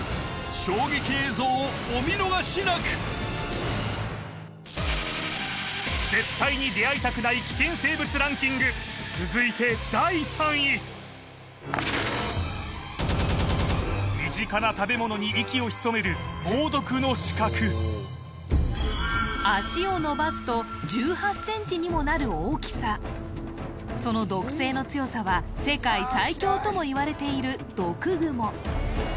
衝撃映像をお見逃しなく絶対に出会いたくない危険生物ランキング続いて第３位脚を伸ばすと１８ｃｍにもなる大きさその毒性の強さは世界最強ともいわれている毒グモ